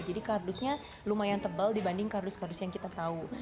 jadi kardusnya lumayan tebal dibanding kardus kardus yang kita tahu